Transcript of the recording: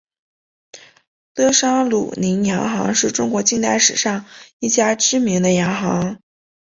德商鲁麟洋行是中国近代史上一家知名的洋行。